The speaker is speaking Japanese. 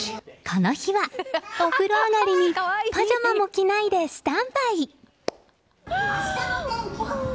この日は、お風呂上がりにパジャマも着ないでスタンバイ。